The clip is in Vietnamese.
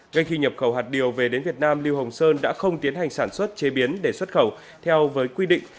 ngay khi nhập khẩu hạt điều về đến việt nam lưu hồng sơn đã không tiến hành sản xuất chế biến để xuất khẩu theo với quy định